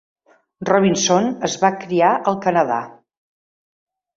Robinson es va criar al Canadà.